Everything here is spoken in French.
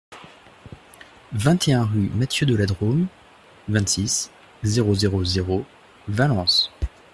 vingt et un rue Mathieu de la Drôme, vingt-six, zéro zéro zéro, Valence